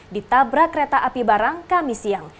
ditabrak kereta api barang kami siang